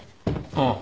ああ。